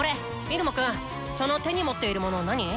入間くんその手に持っているもの何？